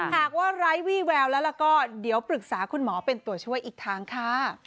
หากว่าไร้วี่แววแล้วก็เดี๋ยวปรึกษาคุณหมอเป็นตัวช่วยอีกทางค่ะ